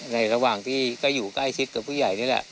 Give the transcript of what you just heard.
ระหว่างที่ก็อยู่ใกล้ชิดกับผู้ใหญ่นี่แหละ